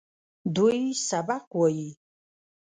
دوی سبق وايي.